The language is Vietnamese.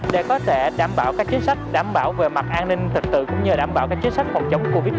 để có thể đảm bảo các chính sách đảm bảo về mặt an ninh thực tự cũng như đảm bảo các chính sách còn chống covid một mươi chín